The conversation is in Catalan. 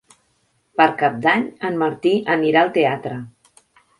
Per Cap d'Any en Martí anirà al teatre.